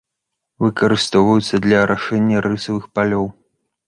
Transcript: Выкарыстоўваюцца для арашэння рысавых палёў.